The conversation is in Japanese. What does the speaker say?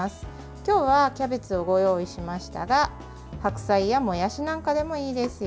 今日は、キャベツをご用意しましたが白菜や、もやしなんかでもいいですよ。